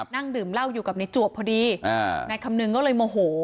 นั่งดื่มเหล้าอยู่กับนายจวบพอดีนายคำนึงก็เลยโมโห